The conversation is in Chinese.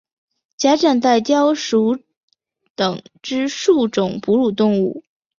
假掌袋貂属等之数种哺乳动物。